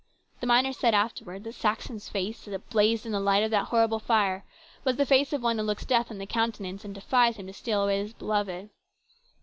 The miners said afterwards that Saxon's face, as it blazed in the light of that horrible fire, was the face of one who looked Death in the countenance, and defied him to steal away his beloved.